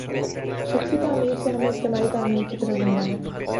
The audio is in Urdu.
شخصی تعمیر سے ہمیں اجتماعی تعمیر کی طرف بڑھنا ہے۔